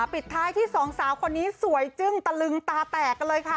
ปิดท้ายที่สองสาวคนนี้สวยจึ้งตะลึงตาแตกกันเลยค่ะ